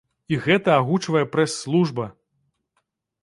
І гэта агучвае прэс-служба!